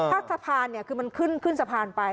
ถ้าสะพานคือมันขึ้นสะพานไป